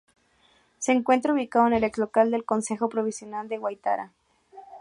Se encuentra ubicado en el ex local del Concejo Provincial de Huaytará.